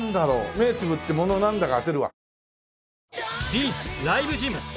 目つぶってものなんだか当てるわ。